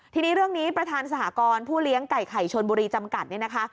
ทีนี้เรื่องนี้ประธานสหกรณ์ผู้เลี้ยงไก่ไข่ชนบุรีจำกัดเนี่ยนะคะ